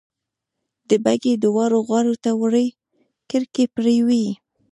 د بګۍ دواړو غاړو ته وړې کړکۍ پرې وې.